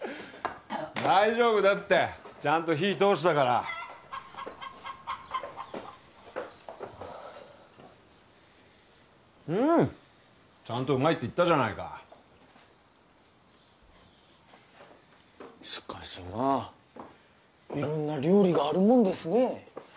大丈夫だってちゃんと火通したからうんちゃんとうまいって言ったじゃないかしかしまあ色んな料理があるもんですね